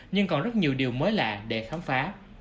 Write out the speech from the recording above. nhưng còn rất nhiều điều mới lạ để khám phá